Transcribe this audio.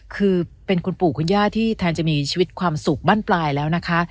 คือเป็นคุณปู่คุณย่าที่แทนจะมีชีวิตความสุขบ้านปลายแล้วนะคะ